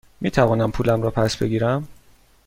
می توانم پولم را پس بگیرم؟